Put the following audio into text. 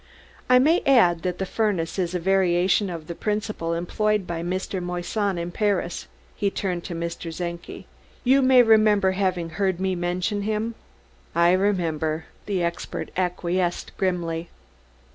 I may add that the furnace is a variation of the principle employed by Professor Moissan, in Paris." He turned to Mr. Czenki. "You may remember having heard me mention him?" "I remember," the expert acquiesced grimly.